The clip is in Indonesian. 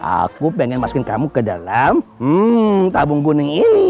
aku pengen masukin kamu ke dalam tabung kuning ini